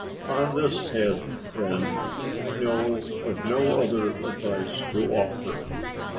On this head, then, I know of no other advice to offer.